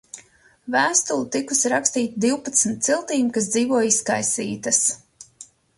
"Vēstule tikusi rakstīta "divpadsmit ciltīm, kas dzīvo izkaisītas"."